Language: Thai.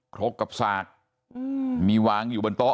ครกกับสากมีวางอยู่บนโต๊